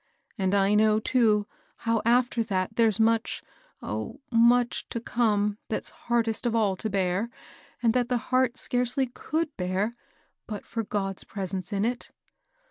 And I know, too, how after that there's much, — oh, much to come that's hardest of all to bear, and that the heart scarcely could bear but for God's presence in it.